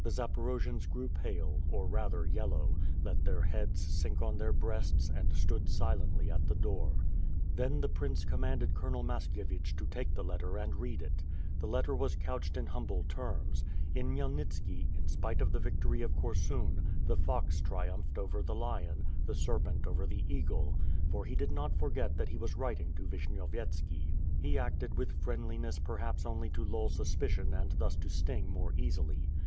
'^ The Zaporojians grew pale, or rather, yellow; let their heads sink on their breasts, and stood silently at the door. Then, the prince commanded Colonel Mashkievich to take the letter and read it. The letter was couched in humble terms. In Khmyelnitski, in spite of the victory of Korsun, the fox triumphed over the lion, the serpent over the eagle; for he did not forget that he was writing to Vishnyovyetski. lie acted with friendliness perhaps only to lull supicion and thus to sting more easily.